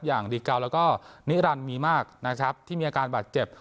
อย่างดีเกาแล้วก็นิรันดิมีมากนะครับที่มีอาการบาดเจ็บ